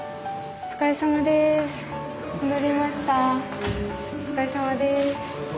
お疲れさまです。